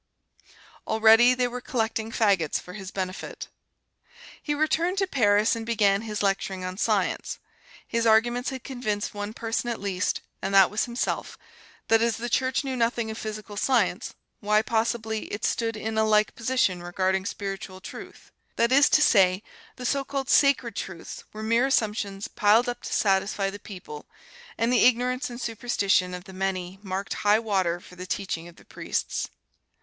Already they were collecting fagots for his benefit. He returned to Paris and began his lecturing on Science. His arguments had convinced one person at least, and that was himself, that as the Church knew nothing of Physical Science, why, possibly it stood in a like position regarding spiritual truth. That is to say, the so called "sacred truths" were mere assumptions piled up to satisfy the people, and the ignorance and superstition of the many marked high water for the teaching of the priests.